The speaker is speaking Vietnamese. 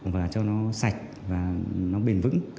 và cho nó sạch và bền vững